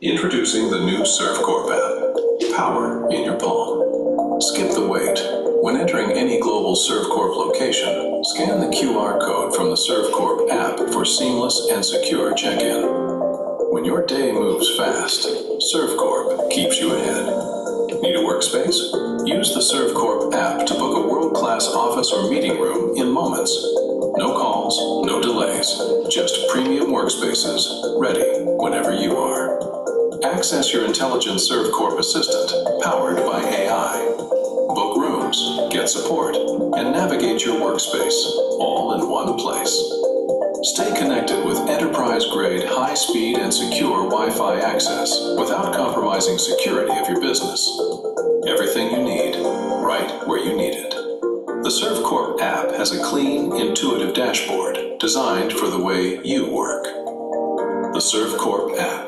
Introducing the new Servcorp app, power in your palm. Skip the wait. When entering any global Servcorp location, scan the QR code from the Servcorp app for seamless and secure check-in. When your day moves fast, Servcorp keeps you ahead. Need a workspace? Use the Servcorp app to book a world-class office or meeting room in moments. No calls, no delays, just premium workspaces ready whenever you are. Access your intelligent Servcorp assistant, powered by AI. Book rooms, get support, and navigate your workspace, all in one place. Stay connected with enterprise-grade, high-speed, and secure Wi-Fi access without compromising security of your business. Everything you need, right where you need it. The Servcorp app has a clean, intuitive dashboard designed for the way you work. The Servcorp app: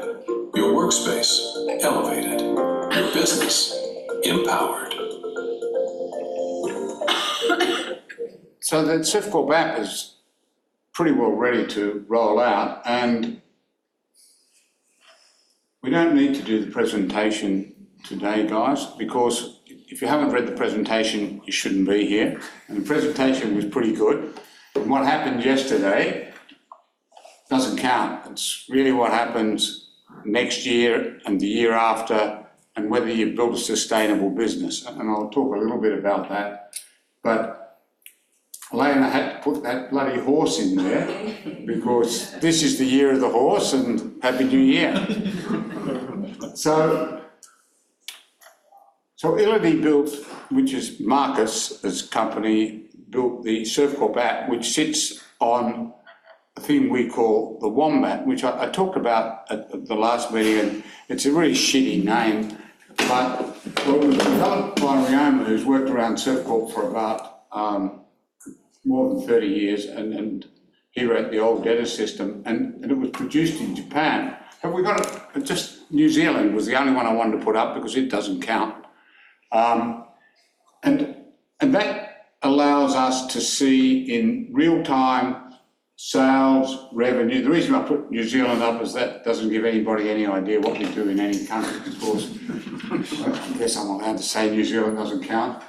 Your workspace elevated, your business empowered. So the Servcorp app is pretty well ready to roll out, and we don't need to do the presentation today, guys, because if you haven't read the presentation, you shouldn't be here. And the presentation was pretty good, but what happened yesterday doesn't count. It's really what happens next year and the year after, and whether you build a sustainable business, and I'll talk a little bit about that. But Elena had to put that bloody horse in there, because this is the Year of the Horse, and Happy New Year. So Ility which is Marcus' company, built the Servcorp app, which sits on a thing we call the Wombat, which I talked about at the last meeting. But it was developed by Ryoma, who's worked around Servcorp for about more than 30 years, and he wrote the old data system, and it was produced in Japan. But we got it... Just New Zealand was the only one I wanted to put up because it doesn't count. And that allows us to see, in real time, sales, revenue. The reason I put New Zealand up is that doesn't give anybody any idea what we do in any country, of course. I guess I'm allowed to say New Zealand doesn't count.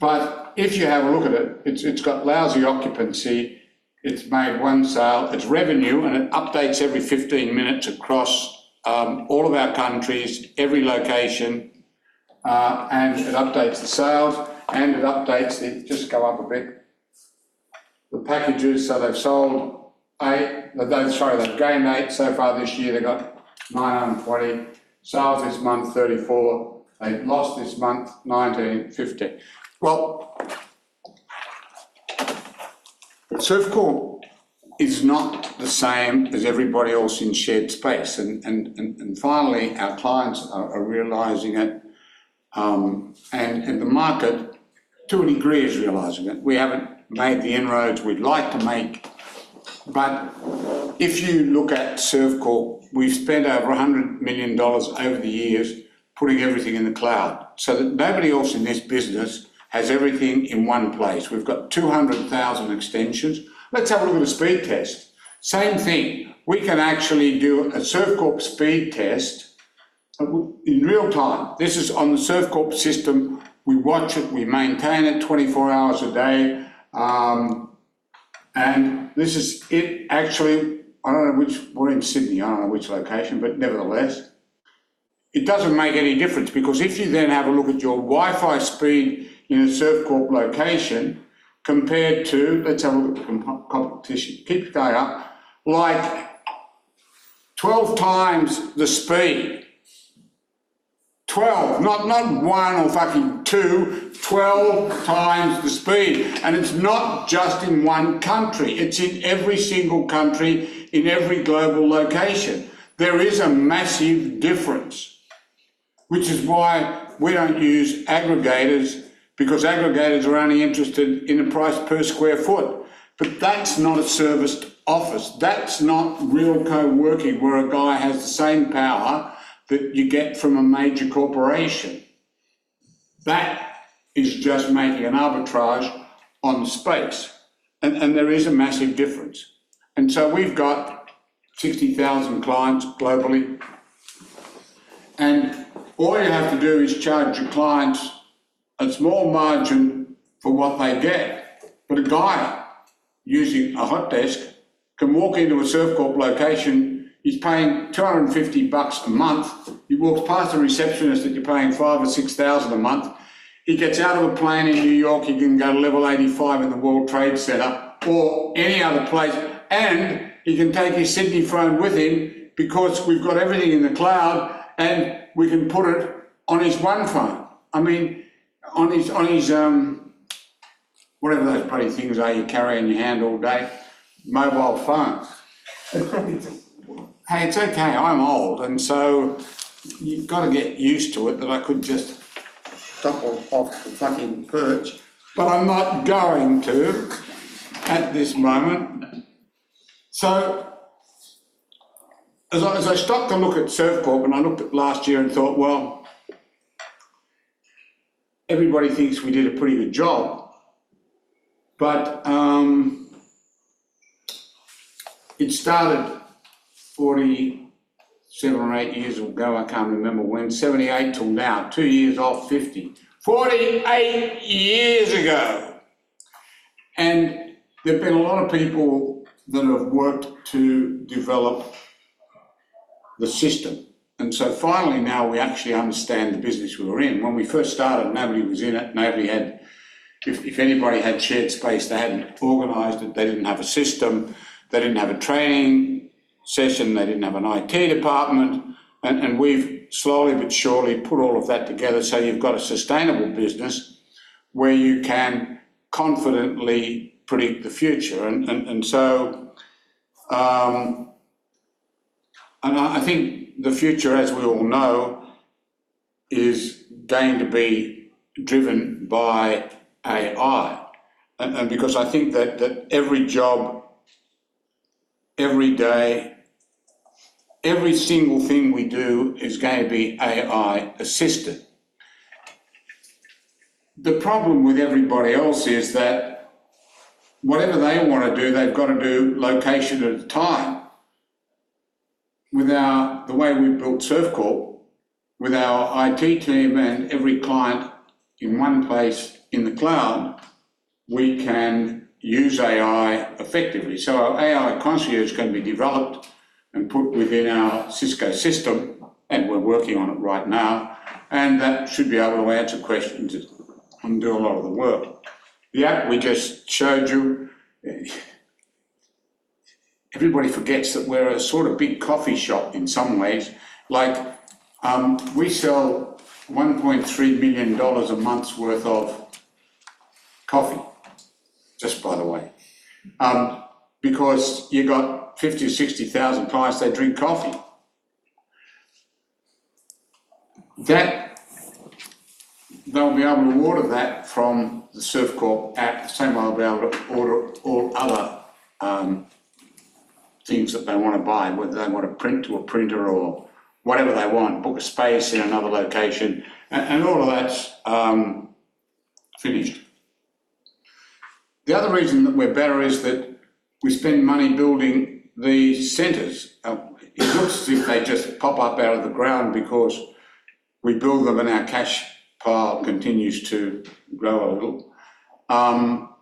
But if you have a look at it, it's got lousy occupancy, it's made one sale, it's revenue, and it updates every 15 minutes across all of our countries, every location, and it updates the sales, and it updates the... Just go up a bit. The packages, so they've sold eight. They've done, sorry, they've gained eight so far this year. They got 940. Sales this month, 34. They've lost this month, 1,950. Well, Servcorp is not the same as everybody else in shared space, and finally, our clients are realizing it, and the market, to a degree, is realizing it. We haven't made the inroads we'd like to make, but if you look at Servcorp, we've spent over 100 million dollars over the years putting everything in the cloud so that nobody else in this business has everything in one place. We've got 200,000 extensions. Let's have a look at a speed test. Same thing, we can actually do a Servcorp speed test in real time. This is on the Servcorp system. We watch it, we maintain it 24 hours a day, and this is it. Actually, I don't know which... We're in Sydney, I don't know which location, but nevertheless, it doesn't make any difference because if you then have a look at your Wi-Fi speed in a Servcorp location compared to... Let's have a look at the competition. Keep that up. Like, 12x the speed. Twelve, not, not one or two, 12x the speed, and it's not just in one country. It's in every single country, in every global location. There is a massive difference, which is why we don't use aggregators, because aggregators are only interested in a price per square foot. But that's not a serviced office. That's not real co-working, where a guy has the same power that you get from a major corporation. That is just making an arbitrage on space, and there is a massive difference. We've got 60,000 clients globally, and all you have to do is charge your clients a small margin for what they get. A guy using a hot desk can walk into a Servcorp location. He's paying 250 bucks a month. He walks past the receptionist that you're paying 5,000 or 6,000 a month. He gets out of a plane in New York, he can go to level 85 in the World Trade Center or any other place, and he can take his Sydney phone with him because we've got everything in the cloud, and we can put it on his one phone. I mean, on his, on his, whatever those pretty things are you carry in your hand all day, mobile phones. Hey, it's okay. I'm old, and so you've got to get used to it, that I could just topple off the perch, but I'm not going to at this moment. So as I stopped to look at Servcorp, and I looked at last year and thought, "Well, everybody thinks we did a pretty good job. But it started 47 or 8 years ago, I can't remember when. 1978 till now, two years off 50. 48 years ago! And there've been a lot of people that have worked to develop the system, and so finally now we actually understand the business we were in. When we first started, nobody was in it. If anybody had shared space, they hadn't organized it, they didn't have a system, they didn't have a training session, they didn't have an IT department, and we've slowly but surely put all of that together so you've got a sustainable business where you can confidently predict the future. And so, I think the future, as we all know, is going to be driven by AI. And because I think that every job, every day, every single thing we do is going to be AI-assisted. The problem with everybody else is that whatever they want to do, they've got to do location at a time. With our... The way we built Servcorp, with our IT team and every client in one place in the cloud, we can use AI effectively. Our AI concierge can be developed and put within our Cisco system, and we're working on it right now. That should be able to answer questions and do a lot of the work. The app we just showed you, everybody forgets that we're a sort of big coffee shop in some ways. Like, we sell 1.3 million dollars a month's worth of coffee, just by the way, because you got 50,000-60,000 clients, they drink coffee. They'll be able to order that from the Servcorp app, same way they'll be able to order all other things that they want to buy, whether they want to print to a printer or whatever they want, book a space in another location, and all of that's finished. The other reason that we're better is that we spend money building the centers. It looks as if they just pop up out of the ground because we build them, and our cash pile continues to grow a little.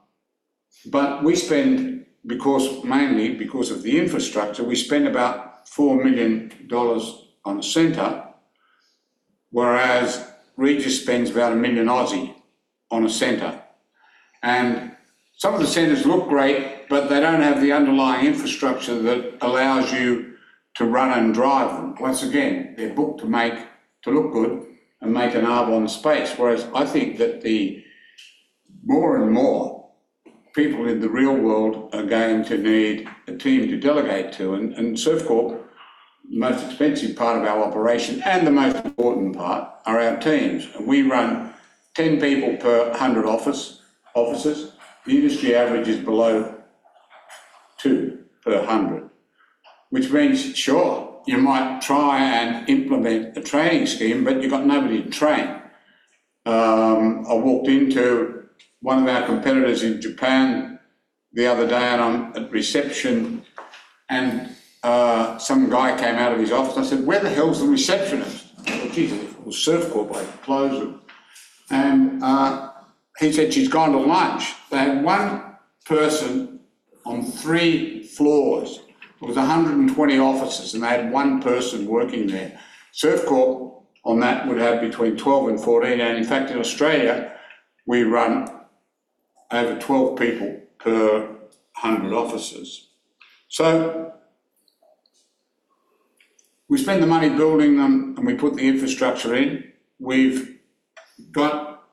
But we spend, because, mainly because of the infrastructure, we spend about 4 million dollars on a center, whereas Regus spends about 1 million on a center. And some of the centers look great, but they don't have the underlying infrastructure that allows you to run and drive them. Once again, they're booked to make, to look good and make an arb on the space, whereas I think that the... more and more people in the real world are going to need a team to delegate to, and, and Servcorp, the most expensive part of our operation, and the most important part, are our teams. And we run 10 people per 100 office, offices. The industry average is below two per 100, which means, sure, you might try and implement a training scheme, but you've got nobody to train. I walked into one of our competitors in Japan the other day, and I'm at reception, and some guy came out of his office. I said, "Where the hell is the receptionist?" Jesus, it was Servcorp by closing. And he said, "She's gone to lunch." They had one person on three floors. It was 120 offices, and they had one person working there. Servcorp on that would have between 12 and 14, and in fact, in Australia, we run over 12 people per hundred offices. So we spend the money building them, and we put the infrastructure in. We've got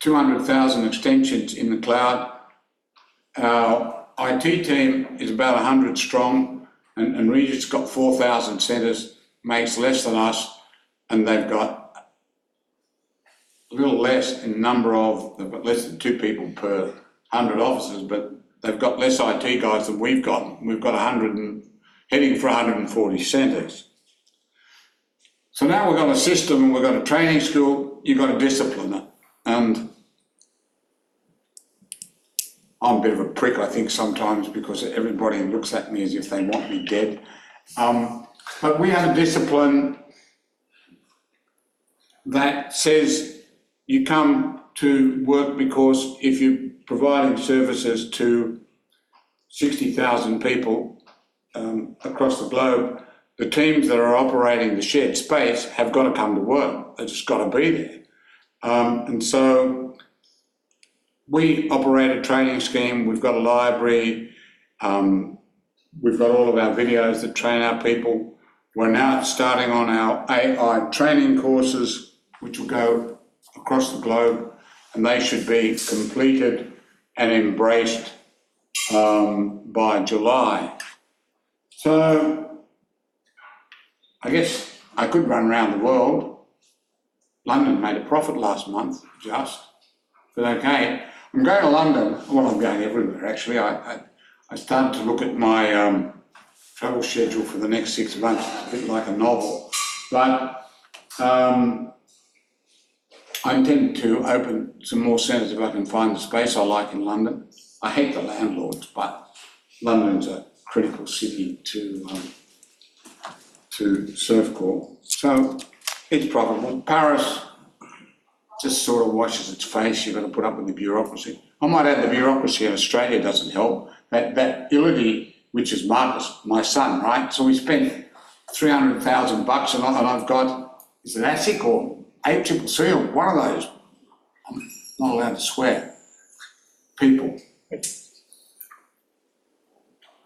200,000 extensions in the cloud. Our IT team is about 100 strong, and Regus's got 4,000 centers, makes less than us, and they've got less than two people per 100 offices, but they've got less IT guys than we've got, and we've got 100 and heading for 140 centers. So now we've got a system, we've got a training school, you've got a discipliner. And I'm a bit of a prick, I think, sometimes because everybody looks at me as if they want me dead. But we have a discipline that says you come to work because if you're providing services to 60,000 people, across the globe, the teams that are operating the shared space have got to come to work. They've just got to be there. And so we operate a training scheme, we've got a library, we've got all of our videos that train our people. We're now starting on our AI training courses, which will go across the globe, and they should be completed and embraced by July. So I guess I could run around the world. London made a profit last month, just. But okay, I'm going to London. Well, I'm going everywhere, actually. I started to look at my travel schedule for the next six months, a bit like a novel. But I intend to open some more centers if I can find the space I like in London. I hate the landlords, but London's a critical city to Servcorp. So it's probable. Paris just sort of washes its face. You've got to put up with the bureaucracy. I might add, the bureaucracy in Australia doesn't help. That, that Ility, which is Marcus, my son, right? So we spent 300,000 bucks, and all that I've got is an ASIC or. I'm not allowed to swear. People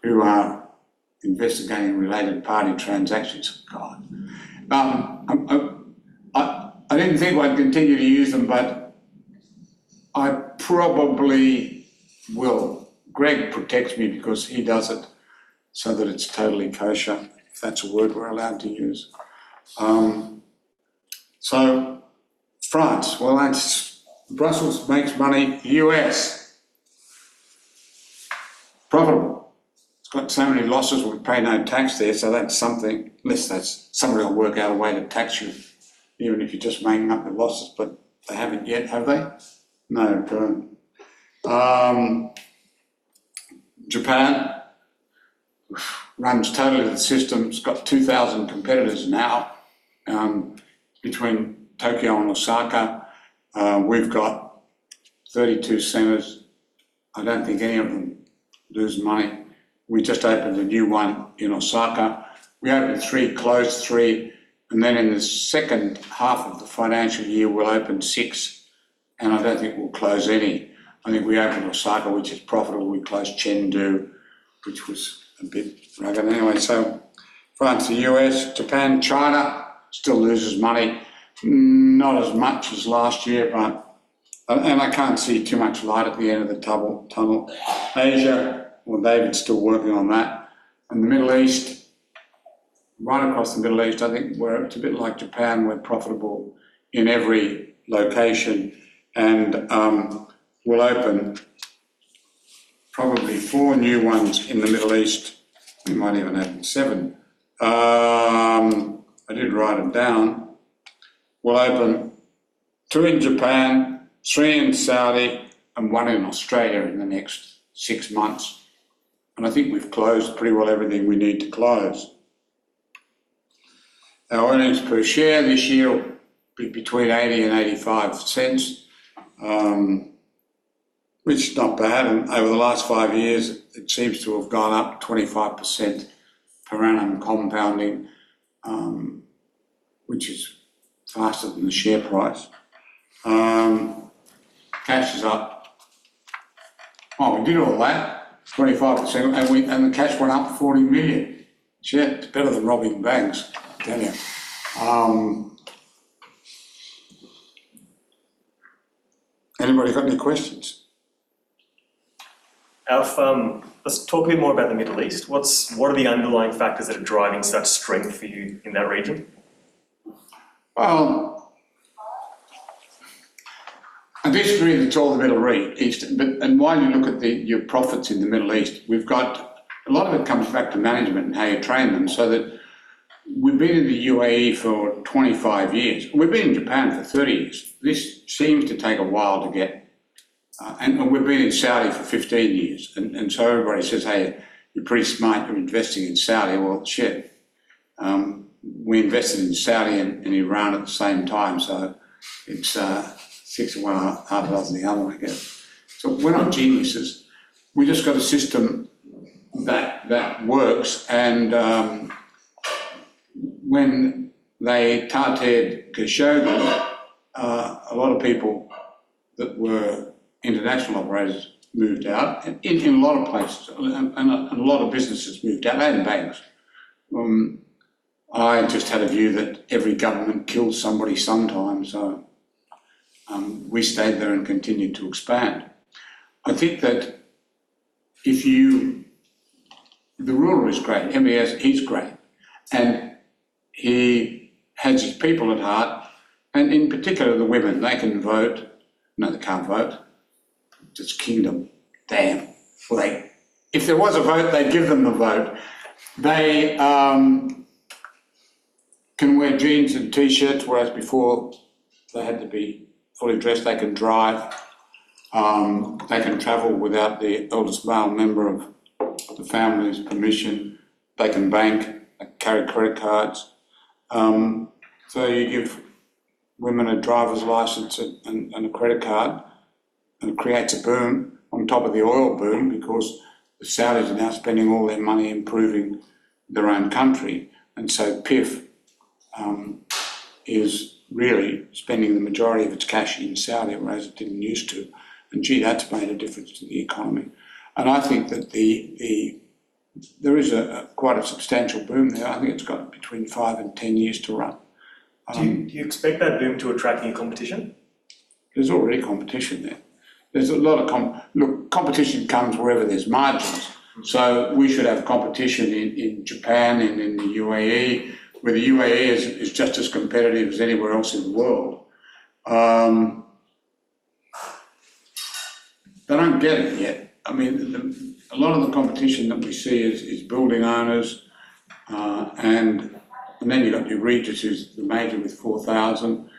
who are investigating related party transactions. God! I didn't think I'd continue to use them, but I probably will. Greg protects me because he does it so that it's totally kosher, if that's a word we're allowed to use. So France, well, that's Brussels makes money. U.S., probable. It's got so many losses, we pay no tax there, so that's something, unless there's somebody will work out a way to tax you, even if you're just making up the losses. But they haven't yet, have they? No, they don't. Japan, runs totally the system. It's got 2,000 competitors now, between Tokyo and Osaka. We've got 32 centers. I don't think any of them lose money. We just opened a new one in Osaka. We opened three, closed three, and then in the second half of the financial year, we'll open six, and I don't think we'll close any. I think we opened Osaka, which is profitable. We closed Chengdu, which was a bit... Anyway, France, the U.S., Japan, China still loses money. Not as much as last year, but, and I can't see too much light at the end of the tunnel. Asia, well, David's still working on that, and the Middle East, right across the Middle East, I think where it's a bit like Japan, we're profitable in every location, and we'll open probably four new ones in the Middle East. We might even add seven. I did write them down. We'll open two in Japan, three in Saudi, and one in Australia in the next six months, and I think we've closed pretty well everything we need to close. Our EPS this year will be between 0.80 and 0.85, which is not bad, and over the last five years, it seems to have gone up 25% per annum compounding, which is faster than the share price. Cash is up. Oh, we did all that, 25%, and the cash went up 40 million. It's better than robbing banks, I tell you. Anybody got any questions? Alf, let's talk a bit more about the Middle East. What are the underlying factors that are driving such strength for you in that region? Well, basically, it's all the Middle East, but, and while you look at the, your profits in the Middle East, we've got. A lot of it comes back to management and how you train them, so that we've been in the UAE for 25 years. We've been in Japan for 30 years. This seems to take a while to get, and we've been in Saudi for 15 years. And so everybody says, "Hey, you're pretty smart. You're investing in Saudi." Well, we invested in Saudi and Iran at the same time, so it's six and one half dozen the other, I guess. So we're not geniuses. We just got a system that works, and when they targeted Khashoggi, a lot of people that were international operators moved out in a lot of places, and a lot of businesses moved out and banks. I just had a view that every government kills somebody sometimes, so we stayed there and continued to expand. I think that if you... The ruler is great. MBS, he's great, and he has his people at heart, and in particular, the women, they can vote. No, they can't vote. It's a kingdom. Damn! Like, if there was a vote, they'd give them the vote. They can wear jeans and T-shirts, whereas before they had to be fully dressed. They can drive. They can travel without the eldest male member of the family's permission. They can bank and carry credit cards. So you give women a driver's license and a credit card, and it creates a boom on top of the oil boom because the Saudis are now spending all their money improving their own country. And so PIF is really spending the majority of its cash in Saudi, whereas it didn't used to, and gee, that's made a difference to the economy. And I think that there is quite a substantial boom there. I think it's got between five and 10 years to run. Do you expect that boom to attract any competition? There's already competition there. There's a lot of competition. Look, competition comes wherever there's margins, so we should have competition in Japan and in the UAE, where the UAE is just as competitive as anywhere else in the world. They don't get it yet. I mean, a lot of the competition that we see is building owners, and then you've got your Regus, who's the major with 4,000.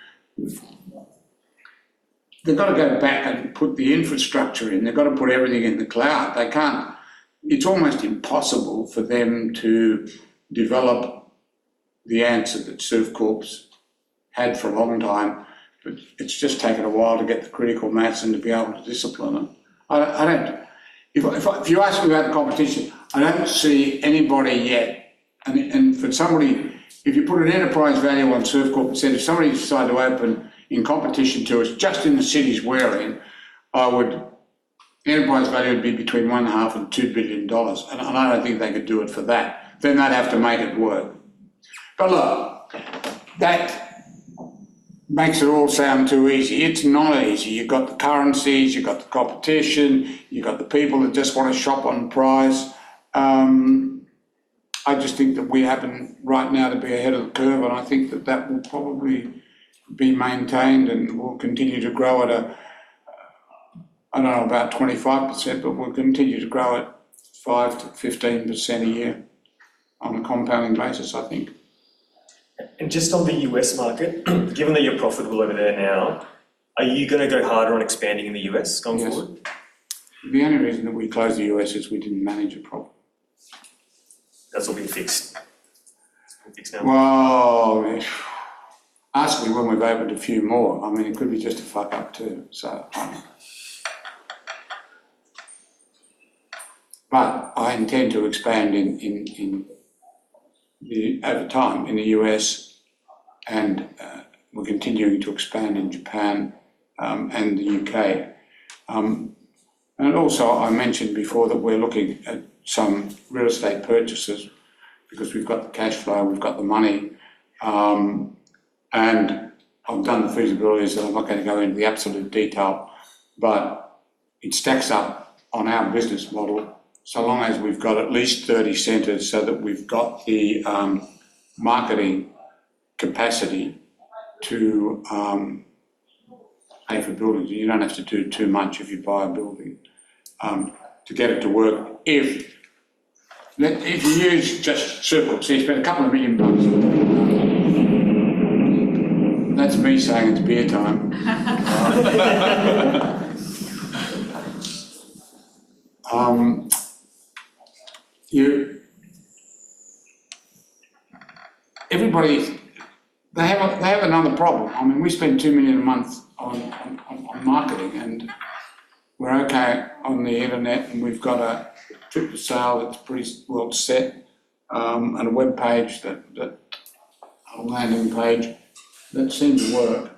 They've got to go back and put the infrastructure in. They've got to put everything in the cloud. They can't. It's almost impossible for them to develop the answer that Servcorp had for a long time. But it's just taken a while to get the critical mass and to be able to discipline them. If you ask me about the competition, I don't see anybody yet. For somebody, if you put an enterprise value on Servcorp and said, if somebody decided to open in competition to us, just in the cities we're in, I would—the enterprise value would be between $1.5 billion and $2 billion, and I don't think they could do it for that. Then they'd have to make it work. But look, that makes it all sound too easy. It's not easy. You've got the currencies, you've got the competition, you've got the people that just want to shop on price. I just think that we happen, right now, to be ahead of the curve, and I think that that will probably be maintained, and we'll continue to grow at a, I don't know, about 25%, but we'll continue to grow at 5%-15% a year on a compounding basis, I think. Just on the U.S. market, given that you're profitable over there now, are you going to go harder on expanding in the U.S. going forward? Yes. The only reason that we closed the U.S. is we didn't manage it properly. That's all been fixed. It's fixed now? Well, ask me when we've opened a few more. But I intend to expand in the U.S. at a time, and we're continuing to expand in Japan and the U.K. And also, I mentioned before that we're looking at some real estate purchases because we've got the cash flow, we've got the money. And I've done the feasibilities, and I'm not going to go into the absolute detail, but it stacks up on our business model so long as we've got at least 30 centers so that we've got the marketing capacity to pay for buildings. You don't have to do too much if you buy a building to get it to work. If you use just Servcorp, so you spend $2 million. That's me saying it's beer time. You... everybody, they have another problem. I mean, we spend 2 million a month on marketing, and we're okay on the internet, and we've got a trip to sale that's pretty well set, and a web page, a landing page that seems to work.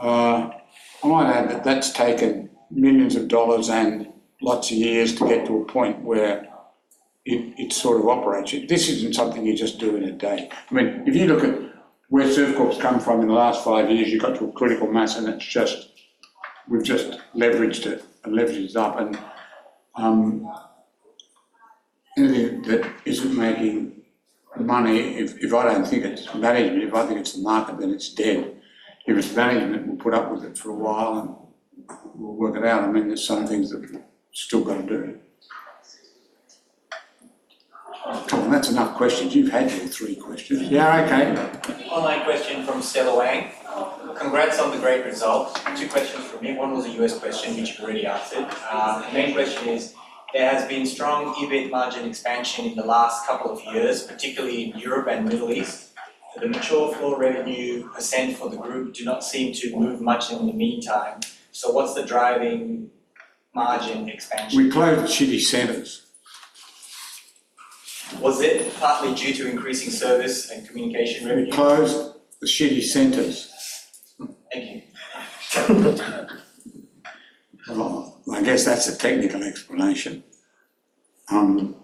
I might add that that's taken millions of AUD and lots of years to get to a point where it sort of operates. This isn't something you just do in a day. I mean, if you look at where Servcorp has come from in the last five years, you got to a critical mass, and it's just, we've just leveraged it and leveraged it up. Anything that isn't making money, if I don't think it's value, if I think it's the market, then it's dead. If it's value, then we'll put up with it for a while, and we'll work it out. I mean, there's some things that we've still got to do. Tom, that's enough questions. You've had your three questions. Yeah, okay. Online question from Stella Wang. "Congrats on the great results. Two questions from me. One was a U.S. question, which you've already answered. The main question is, there has been strong EBIT margin expansion in the last couple of years, particularly in Europe and Middle East. The mature floor revenue % for the group do not seem to move much in the meantime. So what's the driving margin expansion? We closed centers. Was it partly due to increasing service and communication revenue? We closed the centers. Thank you. Well, I guess that's a technical explanation. Now,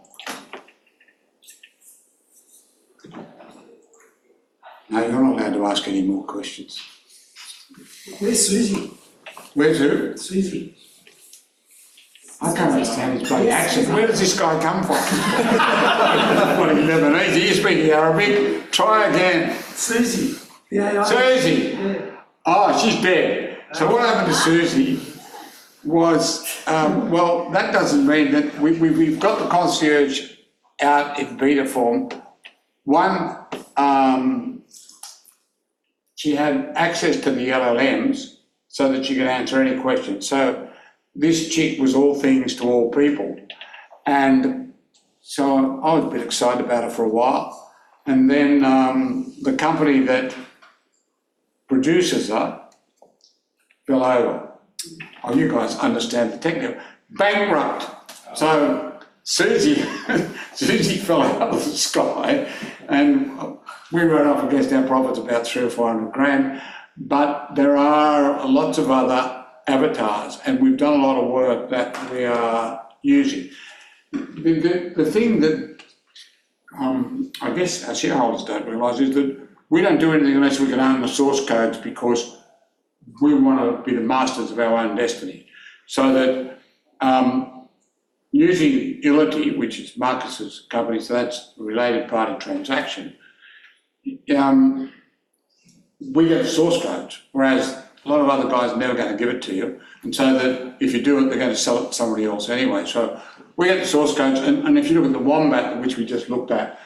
you're not allowed to ask any more questions. Where's Susie? Where's who? Susie. I can't understand his great accent. Where did this guy come from? Well, he never made it. Do you speak Arabic? Try again. Susie. Yeah, yeah. Susie? Yeah. Oh, she's dead. So what happened to Susie was, well, that doesn't mean that we've got the concierge out in beta form. One, she had access to the LLMs so that she could answer any questions. So this chick was all things to all people, and so I've been excited about it for a while. And then, the company that produces her went over. Oh, you guys understand the technical, bankrupt. So Susie, Susie fell out of the sky, and we wrote off against our profits about 300,000-400,000, but there are lots of other avatars, and we've done a lot of work that we are using. The thing that I guess our shareholders don't realize is that we don't do anything unless we can own the source codes because we want to be the masters of our own destiny. So that using Ility, which is Marcus's company, so that's a related party transaction, we get the source code, whereas a lot of other guys are never going to give it to you, and so that if you do it, they're going to sell it to somebody else anyway. So we get the source codes, and if you look at the Wombat, which we just looked at,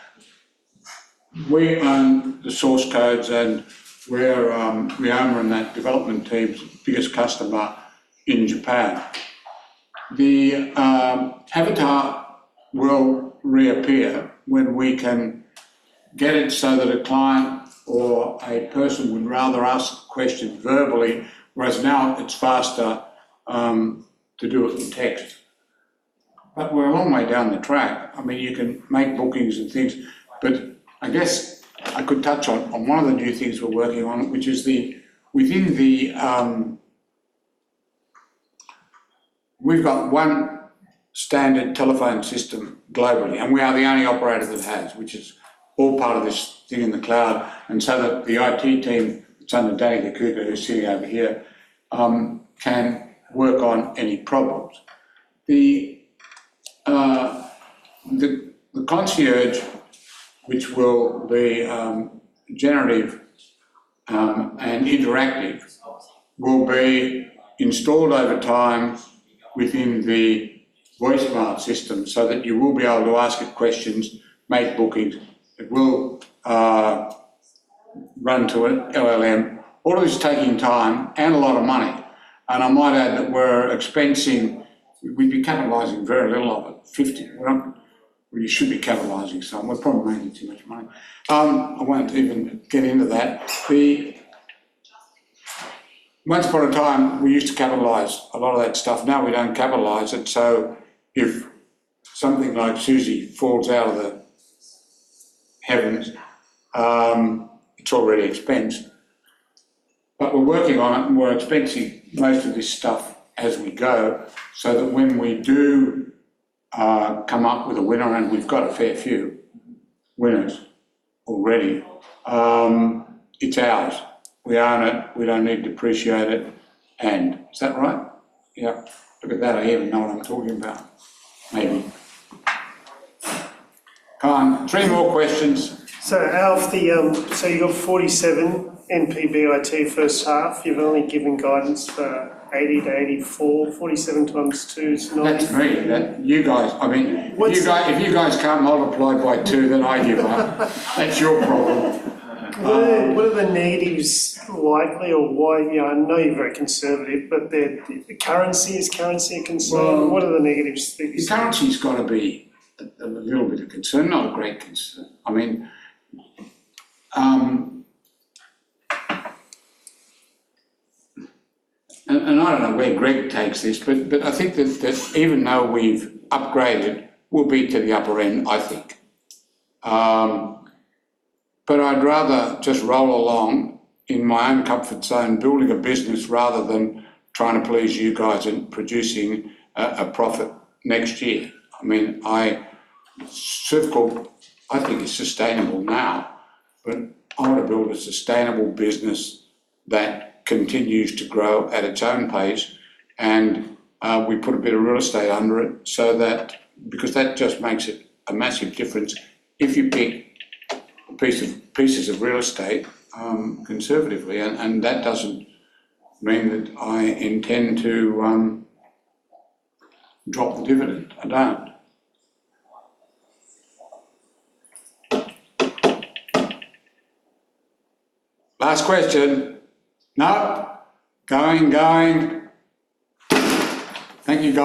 we own the source codes, and we're we own them, and that development team's biggest customer in Japan. The avatar will reappear when we can get it so that a client or a person would rather ask questions verbally, whereas now it's faster to do it in text. But we're a long way down the track. I mean, you can make bookings and things, but I guess I could touch on one of the new things we're working on, which is the within the... We've got one standard telephone system globally, and we are the only operator that has, which is all part of this thing in the cloud, and so that the IT team, it's under David Cooper, who's sitting over here, can work on any problems. The concierge, which will be generative and interactive, will be installed over time within the voicemail system so that you will be able to ask it questions, make bookings. It will run to an LLM. All of this is taking time and a lot of money, and I might add that we're expensing. We'd be capitalizing very little of it, 50. Well, we should be capitalizing some. We're probably making too much money. I won't even get into that. Once upon a time, we used to capitalize a lot of that stuff. Now, we don't capitalize it, so if something like Susie falls out of the heavens, it's already expensed. But we're working on it, and we're expensing most of this stuff as we go, so that when we do come up with a winner, and we've got a fair few winners already, it's ours. We own it, we don't need to depreciate it, and is that right? Yeah. Look at that, I even know what I'm talking about. Maybe. Come on, three more questions. So out of the, so you've got 47 NPBIT first half, you've only given guidance for 80-84, 47 x 2 is 90- That's me. That, you guys—I mean— What's- you guys, if you guys can't multiply by two, then I give up. That's your problem. What are the negatives likely or why, you know, I know you're very conservative, but the currency, is currency a concern? Well- What are the negative things? The currency's got to be a little bit of concern, not a great concern. I mean. I don't know where Greg takes this, but I think that even though we've upgraded, we'll be to the upper end, I think. But I'd rather just roll along in my own comfort zone, building a business, rather than trying to please you guys and producing a profit next year. I mean, Servcorp, I think it's sustainable now, but I want to build a sustainable business that continues to grow at its own pace, and we put a bit of real estate under it, so that because that just makes it a massive difference if you pick pieces of real estate conservatively, and that doesn't mean that I intend to drop the dividend. I don't. Last question. Nope. Going, going, thank you, guys.